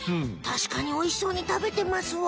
たしかにおいしそうにたべてますわ。